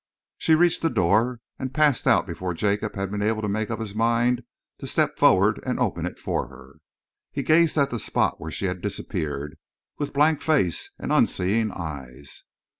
She reached the door and passed out before Jacob had been able to make up his mind to step forward and open it for her. He gazed at the spot where she had disappeared, with blank face and unseeing eyes.